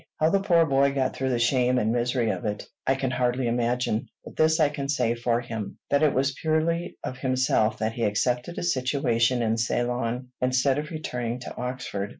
How the poor boy got through the shame and misery of it, I can hardly imagine; but this I can say for him, that it was purely of himself that he accepted a situation in Ceylon, instead of returning to Oxford.